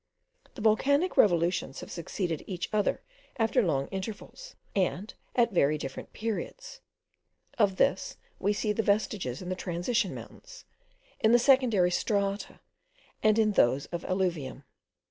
The volcanic revolutions have succeeded each other after long intervals, and at very different periods: of this we see the vestiges in the transition mountains, in the secondary strata, and in those of alluvium.